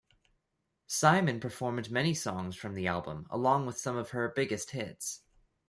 Simon performed many songs from the album, along with some of her biggest hits.